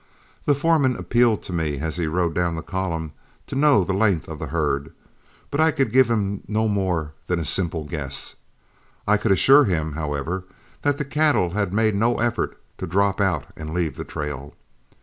The foreman appealed to me as he rode down the column, to know the length of the herd, but I could give him no more than a simple guess. I could assure him, however, that the cattle had made no effort to drop out and leave the trail.